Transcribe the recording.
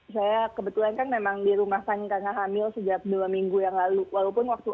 saya kebetulan kan memang di rumah sakit karena hamil sejak dua minggu yang lalu walaupun waktu